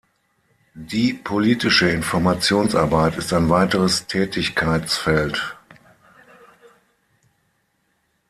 Die politische Informationsarbeit ist ein weiteres Tätigkeitsfeld.